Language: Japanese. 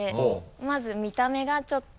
まず見た目がちょっと。